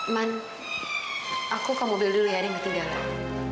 man aku ke mobil dulu ya ada yang ngetinggal